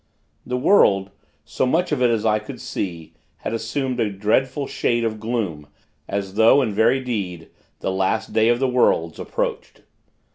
The world, so much of it as I could see, had assumed a dreadful shade of gloom, as though, in very deed, the last day of the worlds approached.